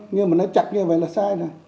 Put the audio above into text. nhưng mà nó chặt như vậy là sai